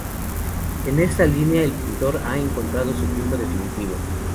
En esta línea el pintor ha encontrado su punto definitivo.